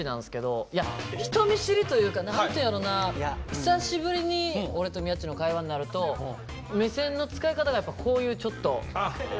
久しぶりに俺と宮っちの会話になると目線の使い方がこういうちょっと。